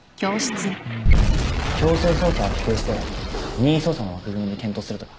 うーん強制捜査は否定して任意捜査の枠組みで検討するとか。